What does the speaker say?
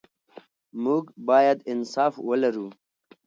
موږ باید انصاف ولرو.